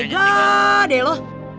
tega deh lo